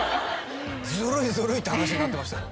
ずるいずるいって話になってましたよ